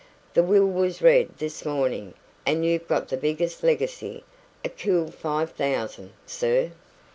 "The will was read this morning, and you've got the biggest legacy a cool five thousand, sir."